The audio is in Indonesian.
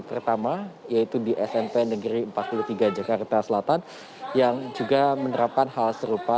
pertama yaitu di smp negeri empat puluh tiga jakarta selatan yang juga menerapkan hal serupa